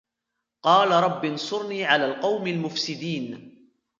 قال رب انصرني على القوم المفسدين